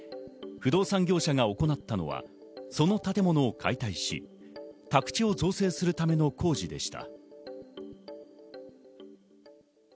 不動産業者が行ったのはその建物を解体し、宅地を造成するための工事でした。